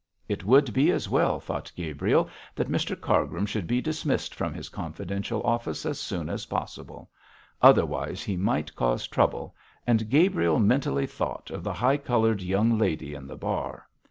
It would be as well, thought Gabriel, that Mr Cargrim should be dismissed from his confidential office as soon as possible. Otherwise he might cause trouble, and Gabriel mentally thought of the high coloured young lady in the bar.